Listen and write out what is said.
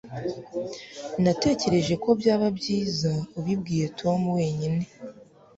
Natekereje ko byaba byiza ubibwiye Tom wenyine